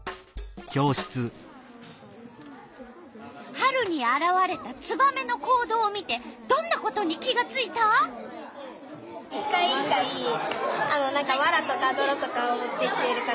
春にあらわれたツバメの行動を見てどんなことに気がついた？って思いました。